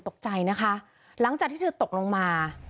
ตกใจนะคะหลังจากที่เธอตกลงมา